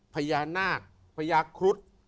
พญานาคพญาครุฑ